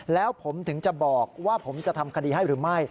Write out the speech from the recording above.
แล้วผมถึงจะบอกว่าผมจะทำคดีให้หรือไม่